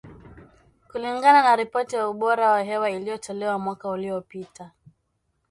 Kulingana na ripoti ya ubora wa hewa iliyotolewa mwaka uliopita.